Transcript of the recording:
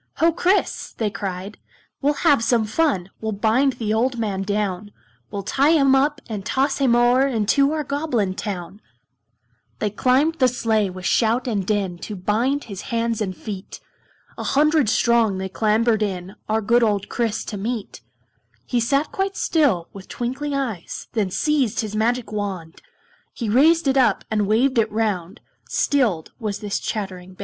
"Ho! Kris!" they cried, "We'll have some fun, We'll bind the old man down, We'll tie him up, and toss him o'er Into our Goblin town." [Illustration: As through the air they flew] They climbed the sleigh with shout and din, To bind his hands and feet; A hundred strong they clambered in Our good old Kris to meet. He sat quite still, with twinkling eyes, Then seized his mystic wand, He raised it up, and waved it round Stilled was this chattering band.